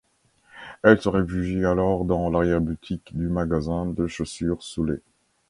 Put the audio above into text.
Elle se réfugie alors dans l'arrière-boutique du magasin de chaussures Soulet.